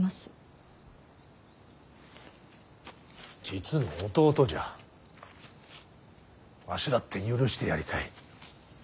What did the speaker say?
実の弟じゃわしだって許してやりたい。